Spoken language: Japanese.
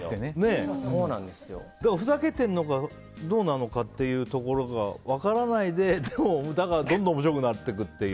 ふざけているのか、どうなのかが分からないで、だからどんどん面白くなっていくっていう。